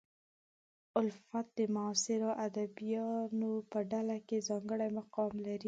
الفت د معاصرو ادیبانو په ډله کې ځانګړی مقام لري.